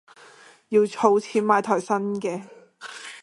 要儲錢買台新嘅